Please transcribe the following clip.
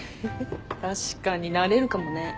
確かになれるかもね。